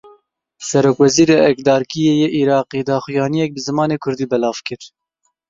Serokwezîrê erkdarkirî yê Iraqê daxuyaniyek bi zimanê kurdî belav kir.